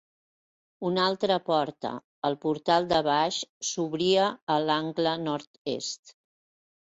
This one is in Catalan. Una altra porta, el Portal de Baix, s'obria a l'angle nord-est.